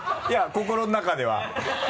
「いや心の中では」